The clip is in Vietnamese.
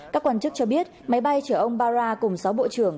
các quan chức cho biết máy bay chở ông bara cùng sáu bộ trưởng